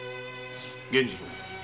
源次郎。